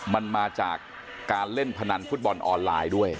มันมาจากการเล่นพนันฟุตบอลออนไลน์ด้วย